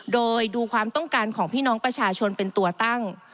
โดยดูความต้องการของพี่น้องประชาชนเป็นตัวตั้ง